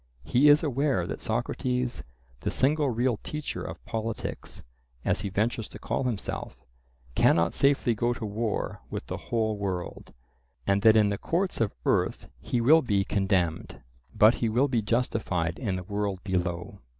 He is aware that Socrates, the single real teacher of politics, as he ventures to call himself, cannot safely go to war with the whole world, and that in the courts of earth he will be condemned. But he will be justified in the world below.